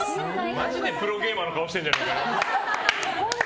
マジでプロゲーマーの顔してるじゃねえかよ。